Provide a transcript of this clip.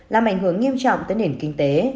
làm ảnh hưởng nghiêm trọng tới nền kinh tế